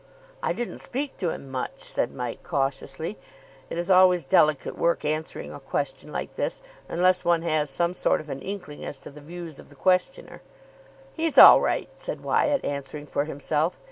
"I didn't speak to him much," said Mike cautiously. It is always delicate work answering a question like this unless one has some sort of an inkling as to the views of the questioner. "He's all right," said Wyatt, answering for himself.